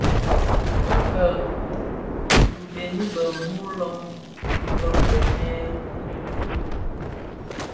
Fëfë, bëbëni bè muloň bë koomèn ki bituu.